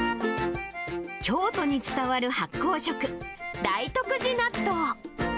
京都に伝わる発酵食、大徳寺納豆。